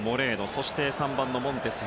そして３番、モンテス。